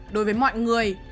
đối với mọi người